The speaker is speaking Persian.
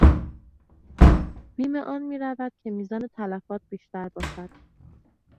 بیم آن میرود که میزان تلفات بیشتر باشد.